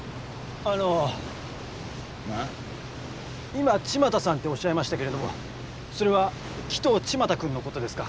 今千万太さんっておっしゃいましたけれどもそれは鬼頭千万太君の事ですか？